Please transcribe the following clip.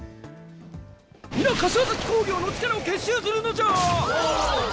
柏崎工業の力を結集するのじゃ！